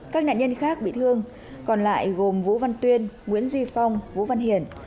các nạn nhân khác bị thương còn lại gồm vũ văn tuyên nguyễn duy phong vũ văn hiển